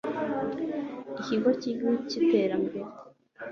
ikigo cy'igihugu cy'iterambere